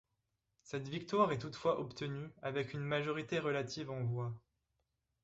Cette victoire est toutefois obtenue avec une majorité relative en voix.